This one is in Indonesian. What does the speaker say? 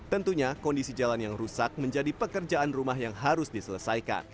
tentunya kondisi jalan yang rusak menjadi pekerjaan rumah yang harus diselesaikan